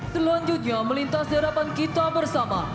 selanjutnya melintas terapan kita bersama